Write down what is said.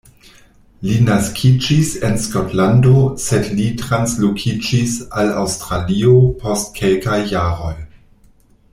Li naskiĝis en Skotlando sed li translokiĝis al Aŭstralio post kelkaj jaroj.